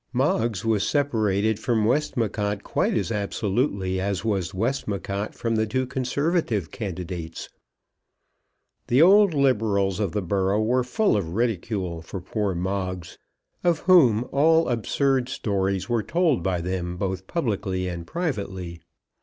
Moggs was separated from Westmacott quite as absolutely as was Westmacott from the two Conservative candidates. The old Liberals of the borough were full of ridicule for poor Moggs, of whom all absurd stories were told by them both publicly and privately.